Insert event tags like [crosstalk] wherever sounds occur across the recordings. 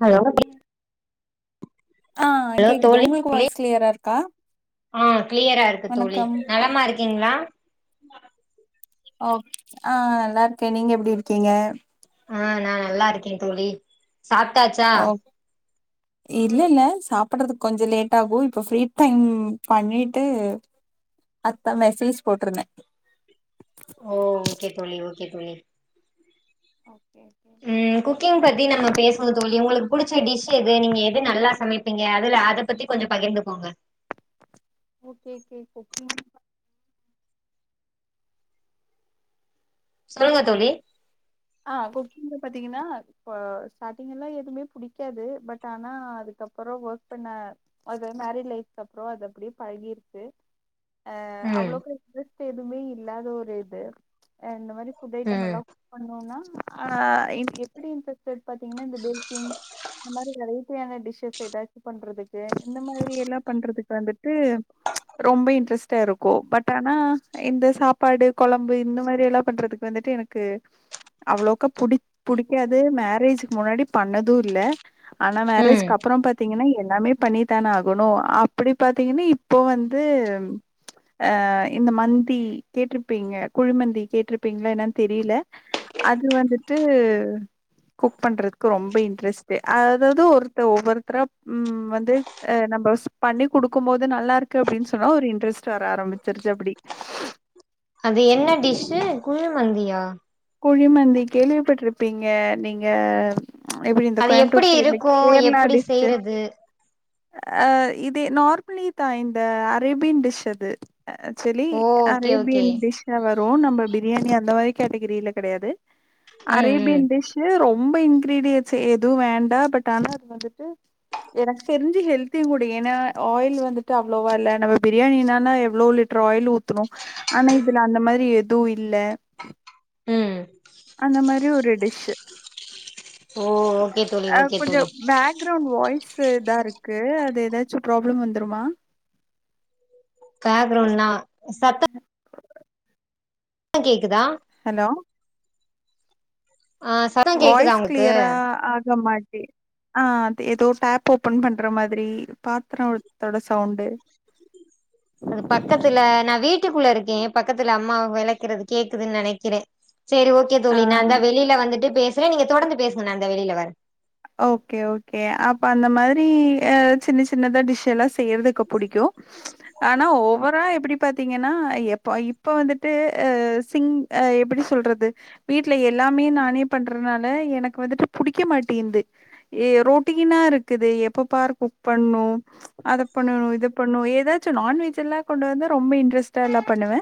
Hello ஆ hello கேக்குது தோழி உங்ளுக்கு வாய்ஸ் க்ளியரா இருக்கா ஆ க்ளியரா இருக்கு தோழி வணக்கம் நலமா இருக்கீங்ளா ஓக் ஆ நல்லார்க்கே நீங்க எப்டி இருக்கீங்க ஆ நா நல்லார்க்கே தோழி சாப்ட்டாச்சா ஓ இல்ல இல்ல சாப்பட்றது கொஞ்சோ லேட் ஆகு இப்ப ஃப்ரீ டைம் பண்ணிட்டு அத்தா மெசேஜ் போட்ருந்தே ஓ ஓகே தோழி ஓகே தோழி ஓக்கே ஏகே ம் குக்கிங் பத்தி நம்ம பேசுவோ தோழி உங்ளுக் புடிச்ச டிஷ் எது நீங்க எது நல்லா சமைப் பிங்க அதுல அத பத்தி கொஞ்சோ பகிர்ந்துகோங்க ஓகேகே குக்கிங் சொல்லுங்க தோழி ஆ இப்போ புல்ல பாத்தீங்கின்னா பொ ஸ்டாடிங்கெல்லா எதுமே புடிக்காது பட் ஆனா அதுக்கப்பறோ ஒர்க் பண்ண அது மேரே லைஃப் கப்றோ அது அப்டியே பழகிருச்சு அ ம் அவ்ளோக்கு இட்ரெஸ்ட் எதுமே இல்லாத ஒரு இது அ இந்த மாரி ஃபுட் ஐட்டம் ம் எல்லாவ் பண்ணுவோனா ஆ இன் எப்டி இன்ட்ரெஸ்டட் பாத்தீங்கன்னா இந்த பேக்கிங் இந்த மாறி வெரைட்டியான டிஷ்ஷஸ் ஏதாச்சு பண்றதுக்கு இந்த மாதிரி எல்லா பண்றதுக் வந்துட்டு ரொம்ப இன்ட்ரஸ் ட்டருக்கு பட் ஆனா இந்த சாப்பாடு கொழம்பு இந்த மாறி எல்லா பண்றதுக்கு வந்துட்டு எனக்கு அவ்ளோக்கா புடிக் புடிக்காது மேரேஜ்க்கு முன்னாடி பண்ணது இல்ல ஆனா மேரேஜ் ம் கப்றோ பாத்தீங்கன்னா எல்லாமே பண்ணித்தான ஆகணு அப்டி பாத்தீங்க இனி போ வந்து எம் அ இந்த மந்தி கேட்ருப்பீங்க குழு மந்தி கேட்ருப்பீங்ளா என்னன் தெரில அது வந்துட்டு குக் பண்றதுக் ரொம்ப இன்ட்ரெஸ்ட்டு அதாவது ஒருத்தர் ஒவ்வொருத்தரா ம் வந்து அ நம்ப உஸ்ப் பண்ணி குடுக்கு போது நல்லா இருக்கு அப்டின் சொன்னா ஒரு இன்ட்ரெஸ்ட் வர ஆரம்பிச்சிருச்சு அப்டி அது என்ன டிஷ்ஷு கூ மந்தியா குழிமந்தி கேள்விப்பட்ருப்பீங்க நீங்க எப்டி இந்த அது எப்டி கோயம்புத்தூர் சைட்ல இருக்கு கேர்ளா எப்டி டிஸ்டிக் செய்றது அ இதே நார்ப்லி தா இந்த அரேபியன் டிஷ் அது ஆக்சுவலி ஓ ஓகே ஓகே அரேபியன் டிஷ்ஷா வரு நம்ப பிரியாணி அந்த மாரி கேட்டகிரில கெடயாது ம் ம் அரேபியன் டிஷ்சு ரொம்ப இன்கிரீடியன் ஸெ எதுவு வேண்டா பட் ஆனா அது வந்துட்டு எனக்கு தெரிஞ்சு ஹெல்தியு கூட ஏன்னா ஆயில் வந்துட்டு அவ்ளோவா இல்ல நம்ம பிரியாணின்னா எவ்ளோ லிட் ரு ஆயில் ஊத்துனு ஆனா இதுல அந்த மாரி எது இல்ல ம் அந்த மாரி ஒரு டிஷ்ஷு ஓ ஓகே தோழி ஓகே கொஞ்சோ தோழி பேக்ரவுண்ட் வாய்ஸ் இதாருக்கு அது ஏதாச்சு பிராப்ளம் வந்துருமா பேக்ரவுனா சத்த ம் கேக்குதா ஹலோ ஆ சா வாய்ஸ் க்ளியரா ஆக மாட்டி ஆ அது ஏதோ டேப் ஓப்பன் பண்ற மாதிரி பாத்ரோத்தோட சவுண்டு அது பக்கத்துல நா வீட்டுக்குள்ள இருக்கே பக்கத்துல அம்மாவ வெளக்கிறது கேக்குதுன் நெனைக்கிறே செரி ஓகே ஆ தோழி நா இந்த வெளில வந்துட்டு பேசுவே நீங்க தொடந்து பேசுங்க நா இந்தா வெளில வரே ஓகே ஓகே அப்ப அந்த மாரி அ சின்ன சின்னதா டிஷ் எல்லா செய்யறதுக்கு புடிக்கு ஆனா ஓவரா எப்பிடி பாத்தீங்கன்னா எப்போ இப்போ வந்துட்டு அ சின் அ எப்புடி சொல்றது வீட்ல எல்லாமே நானே பண்றதுனால எனக்கு வந்துட்டு புடிக்க மாட்டேந்து ஏ ரோட்டீனா இருக்குது எப்ப பாரு குக் பண்ணு அத பண்ணணு இது பண்ணு ஏதாச்சு நான்வெஜ் எல்லா கொண்டு வந்தா ரொம்ப இன்ட்ரெஸ்ட்டா எல்லா பண்ணுவே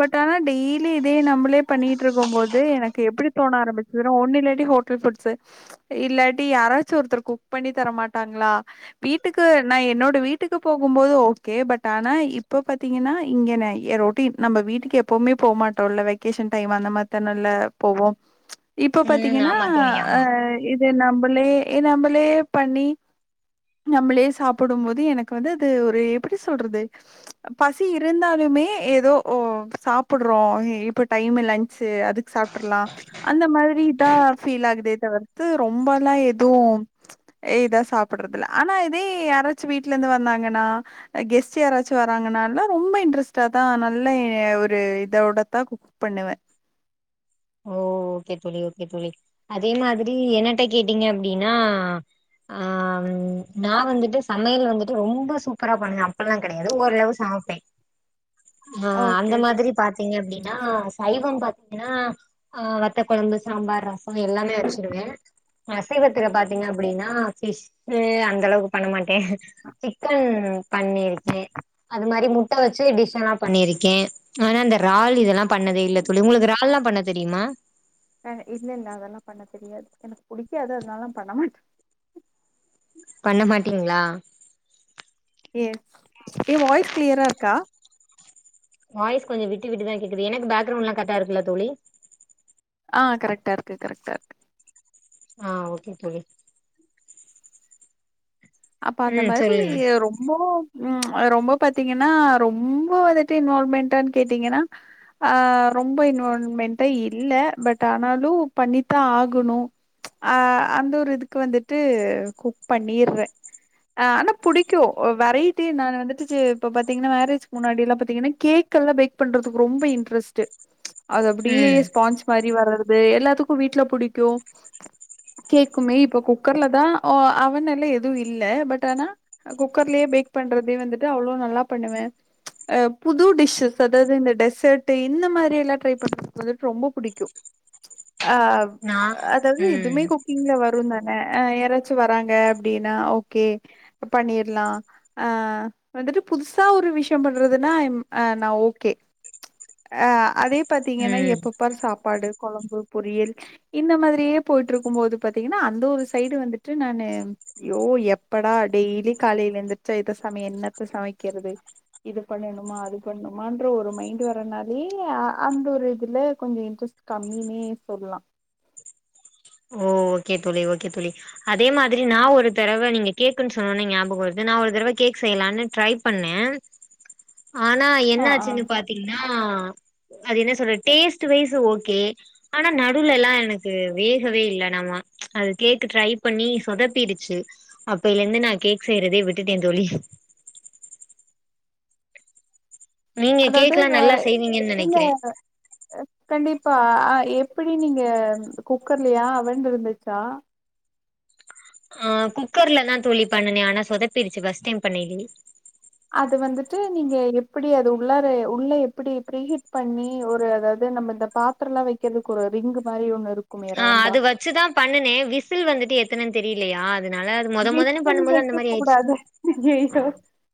பட் ஆனா டெய்லி இதே நம்மளே பண்ணிட்ருக்கு போது எனக்கு எப்பிடி தோண ஆரம்பிச்சதுனா ஒன்னு இல்லாட்டி ஹோட்டல் ஃபுட்ஸ் இல்லாட் டி யாராச்சு ஒருத்தர் குக் பண்ணி தரமாட்டாங்ளா வீட்டுக்கு நா என்னோட வீட்டுக்கு போகு போது ஓகே பட் ஆனா இப்ப பாத்தீங்கன்னா இங்கென எ ரொட் டீன் நம்ப வீட்டுக்கு எப்பவுமே போ மாட்டோல வெக்கேஷன் டைம் அந்த மாத் தானல்ல போவோ இப்ப ம் பாத்தீங்கன்னா ஆமா தோழி அ ஆமா இது நம்பளே எ நம்பளே பண்ணி நம்புளே சாப்புடு போது எனக்கு வந்து அது ஒரு எப்பிடி சொல்றது பசி இருந்தாலுமே ஏதோ ஓ சாப்புட்றோ இப்ப டைம் லன் ச் அதுக்கு சாப்டுர்லா அந்த மாரி தா ஃபீல் ஆகுதே தவிர்த்து ரொம்ப நா எதுவு இதா சாப்டறது இல்ல ஆனா இதே யாராச்சு வீட்ல இருந்து வந்தாங்கன்னா கெஸ்ட் யாராச்சு வராங்கனாலு ரொம்ப இன்ட்ரெஸ்டா தா நல்ல ஒரு இதோட தா குக் பண்ணுவே ஓ ஓகே தோழி ஓகே தோழி அதே மாதிரி என்னட்ட கேட்டீங்க அப்டினா ஆ ம் நா வந்துட்டு சமையல் வந்துட்டு ரொம்ப சூப்பரா பண்ணுவே அப்புல்லா கெடையாது ஓரளவு சமப்பே ஆ ஓகே அந்த ஓகே மாதிரி பாத்தீங்க அப்டினா சைவம் பாத் தினா ஆ வத்த கொழம்பு சாம்பார் ரசோ எல்லாமே வச்சுருவே அசைவத்துல பாத்தீங்க அப்டின்னா பிஷ் எ அந்த அளவுக்கு பண்ண மாட்டேன் சிக்கன் பண்ணிருக்கேன் அது மாரி முட்ட வச்சு டிஷ் எல்லாம் பண்ணிருக்கேன் ஆனா அந்த இறால் இதெல்லாம் பண்ணதே இல்ல தோழி உங்களுக்கு இறால் எல்லாம் பண்ண தெரியுமா இல்ல இல்ல அதெல்லாம் பண்ண தெரியாது எனக்கு புடிக்காது அதனால பண்ண மாட்டேன் பண்ண மாட்டீங்களா எஸ் ஏ வாய்ஸ் கிளயரா இருக்கா வாய்ஸ் கொஞ்சம் விட்டு விட்டு தான் கேக்குது எனக்கு பேக்ரவுண்ட்ல்லாம் கரெக்டா இருக்குல்ல தோழி ஆ கரெக்டா இருக்கு கரெக்டா இருக்கு. ஆ ஓகே தோழி அப்ப அந்த ம் மாரி சொல்லுங்க ரொம்போ ம் அது ரொம்ப பாத்தீங்கன்னா ரொம்ப வந்துட்டு இன்வால்வ்மென்டான்னு கேட்டீங்கன்னா ஆ ரொம்ப இன்வால்வ்மெண்டா இல்ல பட் ஆனாலும் பண்ணித்தான் ஆகணும். அ அந்த ஒரு இதுக்கு வந்துட்டு குக் பண்ணிறேன். ஆ ஆனா புடிக்கும் வெரைட்டி நான் வந்துட்டுச்சு இப்ப பாத்தீங்கன்னா மேரேஜ் முன்னாடி எல்லாம் பாத்தீங்கன்னா கேக் கேக்கல்லாம் பேக் பண்றதுக்கு ரொம்ப இன்ட்ரஸ்ட்டு அது அப்டியே ம் ஸ்பான்ச் மாரி வர்றது எல்லாத்துக்கும் வீட்ல புடிக்கும். கேக்குமே இப்ப குக்கர்ல தான் அ அவன்ல்ல எது வும் இல்ல பட் ஆனா குக்கர்லயே பேக் பண்றதே வந்துட்டு அவ்ளோ நல்லா பண்ணுவேன். அ புது டிஷ்ஸ் அதாவது இந்த டெசர்ட்ட் இந்த மாரி எல்லாம் ட்ரை பண்றது வந்துட்டு ரொம்ப புடிக்கும். ஆ நா அதாவது இதுவுமே ம் குக்கிங்ல வரும் தானே ஆ யாராச்சும் வராங்க. அப்டின்னா ஓகே அப்போ பண்ணிர்லா அ வந்துட்டு புதுசா ஒரு விஷயம் பண்றதுன்னா ஐ அம் அ நான் ஓகே அ அதே பார்த்தீங்கன்னா ம் எப்பப் பாரு சாப்பாடு குழம்பு பொரியல் இந்த மாதிரியே போயிட்டு இருக்கும்போது பாத்தீங்கன்னா அந்த ஒரு சைடு வந்துட்டு நானு ஐய்யோ எப்படா டெய்லி காலையில எந்திரிச்சா இத சமையல் என்னத்த சமைக்கிறது இது பண்ணணுமா அது பண்ணனுமான்ற ஒரு மைண்ட் வரனாலே அந்த ஒரு இதுல கொஞ்சம் இன்ட்ரெஸ்ட் கம்மினே சொல்லலாம் ஓ ஓகே தோழி ஓகே தோழி அதே மாதிரி நான் ஒரு தடவை நீங்க கேக்குன்னு சொன்நோன ஞாபக வருது நான் ஒரு தடவை கேக் செய்யலாம்னு ட்ரை பண்ண ஆனா ஆ என்ன ஆ ஆச்சுன்னு பாத்தீங்கன்னா அது என்ன சொல்றது டேஸ்ட் வைஸ் ஓகே ஆனா நடுலல்லாம் எனக்கு வே கவே இல்ல அமா அது கேக் ட்ரை பண்ணி சொதப்பிடுச்சு அப்பைல இருந்து நா கேக் செய்யறதே விட்டுட்டேன் தோழி நீங்க அதாவது கேக்லா வேற நல்லா செய்வீங்கன்னு எதுல நெனைக்கிறே கண்டிப்பா ஆ எப்டி நீங்க குக்கர்லையா அவண் இருந்துச்சா ஆ குக்கர்ல தான் தோழி பண்ணனே ஆனா சொதப்பிருச்சு பஸ்ட் டைம் பண்ணையிலேயே அது வந்துட்டு நீங்க எப்டி அது உள்ளார உள்ள எப்டி ப்ரீ ஹிட் பண்ணி ஒரு அதாவது நம்ம இந்த பாத்திரம்லாம் வைக்கிறதுக்கு ஒரு ரிங் மாரி ஒண்ணு இருக்கும் ஆ அது வச்சுதான் பண்ணனேன் விசில் வந்துட்டு எத்தனைன்னு தெரியலையா அதனால முத முதல பண்ணும்போது அந்த மாரி ஆயிடுச்சு ஏங்க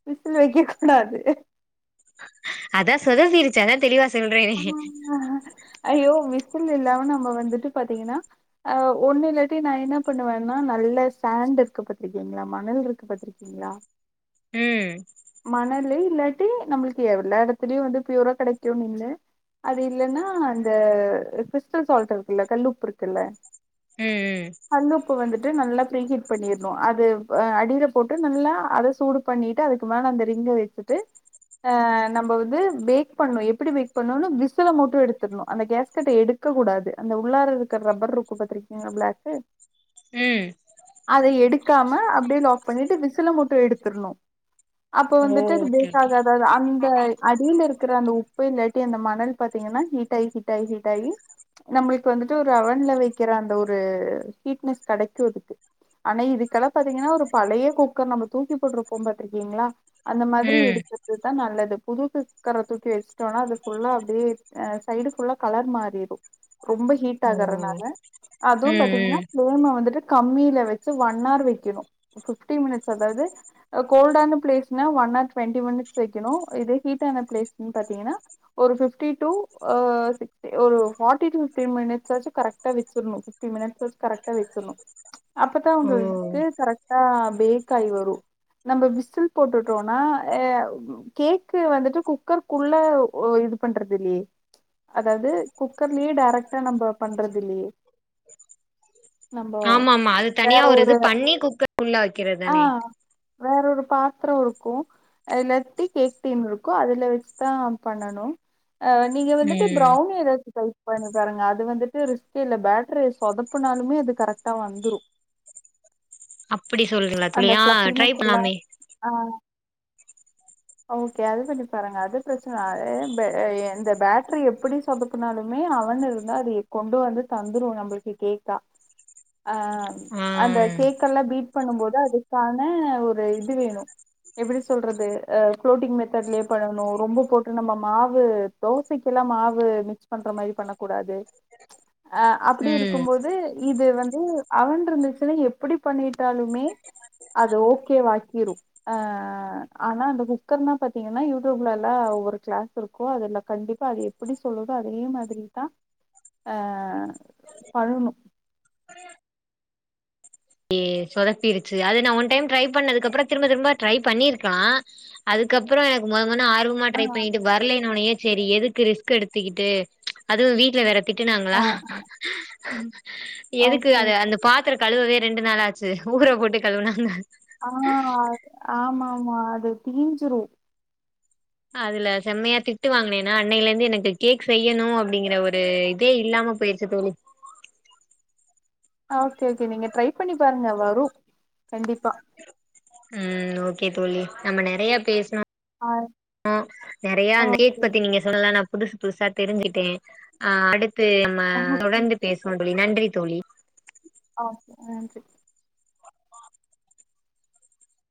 விசில் வைக்க கூடாது அதா சொதப்பிடுச்சு அதா தெளிவா சொல்றேனே ஆ ஐயோ விசில் இல்லாம நம்ம வந்துட்டு பாத்தீங்கன்னா அ ஒன்னுலாட்டி நா என்ன பண்ணுவேனா நல்ல சாண்ட் இருக்கு பாத்திருக்கீங்களா மணல் இருக்கு பாத்திருக்கீங் ங்களா ம் மணலு இல்லாட்டி நம்மளுக்கு எல்லா எடத்துலயு வந்து ப்யூரா கிடைக்குன்னு இல்ல அது இல்லன்னா அந்த கிறிஸ்டல் சால்ட் இருக்குல்ல கல்லுப்பு இருக்குல்ல ம் ம் கல்லு உப்பு வந்துட்டு நல்லா ப்ரிஹீட் பண்ணிர்ணு அது அடியில போட்டு நல்லா அத சூடு பண்ணிட்டு அதுக்கு மேல அந்த ரிங்க வைத்துட்டு நம்ம வந்து பேக் பண்ணு எப்டி பேக் பண்ணனு விசுல மட்டு எடுத்தர்ணு அந்த கேஸ்கட்ட எடுக்கக்கூடாது அந்த உள்ளார இருக்கற ரப்பர் இருக்கும் பாத்திருக் இங்க ப்ளாக்கு ம் அத எடுக்காம அப்டே லாக் பண்ணிட்டு விசில மட்டு எடுத்துர்ணு அப்ப ஓ வந்துட்டு அது ஓகே பேக் ஓகே ஆகாதது அந்த அடியில இருக்கற அந்த உப்பு இல்ல டி அந்த மணல் பாத்தீங்கன்னா ஹீட்டாய் ஹீட்டாய் ஹீட்டாயி நம்மளுக்கு வந்துட்டு ஒரு அவன்ல வைக்கிற அந்த ஒரு ஹீட்னஸ் கடைக்கு இதுக்கு ஆனா இதுக்கெல்லா பாத்தீங்கன்னா ஒரு பழைய குக்கர் நம்ம தூக்கி போட்ருப்போ பாத்திருக்கீங்களா அந்த மாதிரி ம் எடுக்கது தா நல்லது புது குக்கர தூக்கி வச்சுட்டோனா அது ஃபுல்லா அப்டியே சைடுஃபுல்லா கலர் மாறிரு ரொம்ப ஹீட் ஓ ஆகறனால அதூ ம் பாத்தீங்கன்னா ம் ஃபேலம வந்துட்டு கம்மியில வச்சு ஒன் னார் வெக்கணு ஃபிஃப்டி மினிட்ஸ் அதாது கோல்ட் ஆன பிளேஸ்னா ஒன் ஆர் டொவெண்ட்டி மினிட்ஸ் வெக்கணு இது ஹீட்டான பிளேஸ்ன்னு பாத்தீங்கன்னா ஒரு ஃபிஃப்டி டூ ஒரு ஃபாட்டி டூ ஃபிஃப்டி மினிட்ஸ்சாச்சு கரெக்டா வச்சிர்ணு ஃபிஃப்டிமினிட்ஸ் வ கரக்டா வச்சற்னு அப்பதா ஓ உங்களுக்கு கரெக்டா பேக்காய் வரு நம்ம விசில் போட்டுட்டோனா கேக்கு வந்துட்டு குக்கருக்குள்ள ஓ இது பண்றது இல்லையே அதாது குக்கர்லே டேரக்ட்டா நம்ம பண்றது இல்லையே நம்போ ஆமாமா அது தனியா வேற ஒரு இது பண்ணி குக்கர் உள்ள வைக்கிறது ஆ தானே வேற ஒரு பாத்தரோ இருக்கும் அதுல கேக் டீன் இருக்கும் அதுல வச்சுதா பண்ணணு நீங்க வந்துட்டு ம் பெளர்னி எதாச்சு‌ ட்ரை பண்ணி பாருங்க அது வந்துட்டு ரிஸ்கே இல்ல பேட்டரி சொதப்புனாலுமே அது கரெக்டா வந்துரு அப்டி சொல்றிங்களா அந்த தோழி ஆ ட்ரை ஃப்ளஃபினஸ் எல்லாம் பண்லாமே ஆ ஓகே அது பண்ணி பாருங்க அது பிர இந்த பேட்டரி எப்டி சொதப்பனாலுமே அவன் இருந்தா அது கொண்டு வந்து தந்துரு நம்மளுக்கு கேக்கா [inaudible] அ ஆ அந்த கேக்கல்ல பீட் பண்ணும்போது அதுக்கான ஒரு இது வேணு எப்டி சொல்றது அ ஃபளோட்டிங் மெத்தட்லயே பண்ணணு ரொம்ப போட்டு நம்ம மாவு தோசைக்கெல்லா மாவு மிக்ஸ் பண்ற மாரி பண்ணக்கூடாது அ அப்டி ம் இருக்கும்போது இது வந்து அவன் இருந்துச்சுன்ன எப்டி பண்ணிட்டாலுமே அது ஓகே வாக்கிரூ ஆ ஆனா அந்த குக்கர்னா பாத்தீங்கன்னா யூடியூப்ல லா ஒரு கிளாஸ் இருக்கோ அதுல கண்டிப்பா அது எப்டி சொல்லுதோ அதே மாதிரிதா ஆ பழனு ஏ சொதப்பிருச்சு அது நா ஒன் டைம் ட்ரை பண்ணதுக்கு அப்றோ திரும்ப திரும்ப ட்ரை பண்ணிருக்கலா அதுக்கப்புறோ எனக்கு மொத மொதன்னா ஆர்வோ மொத்தமா ஆ ட்ரை பண்ணிட்டு வர்லனு ஒன்னயே செரி எதுக்கு ரிஸ்க் எடுத்துக்கிட்டு அதுவு வீட்ல வேற ஆ திட்டுனாங்களா எதுக்கு ஓகே அத ஓகே அந்த பாத்தரோ கழுவுவே ரெண்டு நாள் ஆச் சு ஊற போட்டு கழவுனாந்த ஆ ஆமா ஆமா அது தீஞ்சுரு அதுல செம்மயா திட்டு வாங்குனேனா அன்னயில இருந்து எனக்கு கேக் செய்யணோ அப்டிங்கற ஒரு இதே இல்லாம பேசு தோழி ஆ ஓகே ஓகே நீங்க ட்ரை பண்ணி பாருங்க வரு கண்டிப்பா உம் ஓகே தோழி நம்ம நெறைய பேசணோ ஆ ஆ நெறையா அந்த ஓகே கேக் பத்தி நீங்க சொல்லலா நா புதுசு புதுசா தெரிஞ்சுட்டே அ அடுத்து நம்ம ஓகே தொடர்ந்து பேசுவோ தோழி நன்றி தோழி ஓகே நன்றி